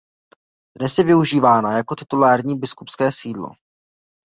Dnes je využívána jako titulární biskupské sídlo.